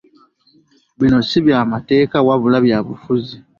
Bino si bya mateeka wabula byabufuzi.